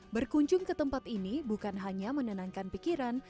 berkunjung ke tempat ini bukan hanya menenangkan pikiran